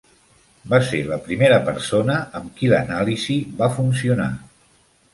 Va ser la primera persona amb qui l'anàlisi va funcionar.